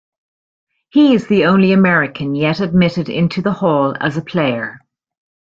He is the only American yet admitted into the Hall as a player.